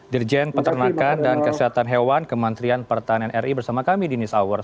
dirjen peternakan dan kesehatan hewan kementerian pertanian ri bersama kami di news hour